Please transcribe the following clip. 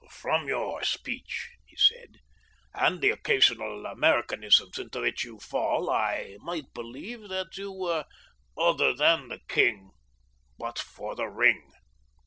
"From your speech," he said, "and the occasional Americanisms into which you fall I might believe that you were other than the king but for the ring."